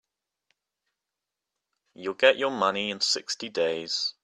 You'll get your money in sixty days.